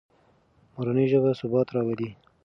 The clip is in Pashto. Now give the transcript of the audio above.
مورنۍ ژبه ثبات راولي.